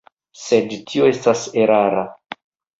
Sed tio estas erara.